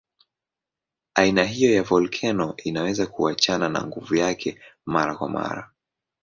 Aina hiyo ya volkeno inaweza kuachana na nguvu yake mara kwa mara.